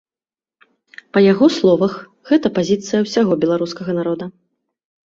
Па яго словах, гэта пазіцыя ўсяго беларускага народа.